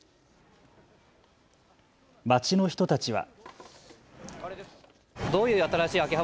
街の人たちは。